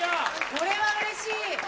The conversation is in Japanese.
これはうれしい。